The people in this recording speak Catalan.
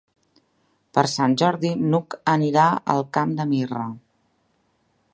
Per Sant Jordi n'Hug anirà al Camp de Mirra.